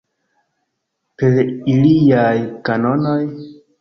Per iliaj kanonoj?